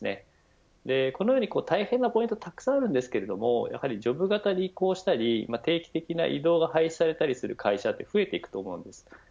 このように大変なポイントたくさんありますがジョブ型に移行したり定期的な異動が廃止されたりする会社は増えていくと思います。